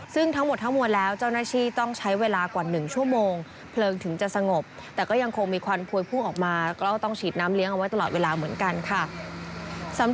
ซึ่งทั้งหมดทั้งมวลแล้วเจ้าหน้าที่ต้องใช้เวลากว่า๑ชั่วโมงเพลิงถึงจะสงบแต่ก็ยังคงมีควันพวยพุ่งออกมาก็ต้องฉีดน้ำเลี้ยงเอาไว้ตลอดเวลาเหมือนกันค่ะ